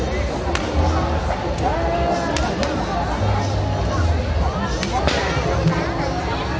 มีไม่รู้สึกว่าออกกับคุณในรูปตอนรับรูปที่แล้วที่เราจะ